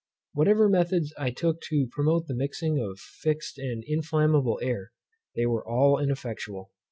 Whatever methods I took to promote the mixture of fixed and inflammable air, they were all ineffectual.